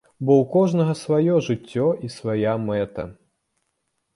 Бо ў кожнага сваё жыццё і свая мэта.